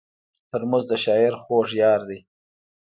ترموز د شاعر خوږ یار دی.